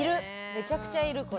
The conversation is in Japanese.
めちゃくちゃいるこれ。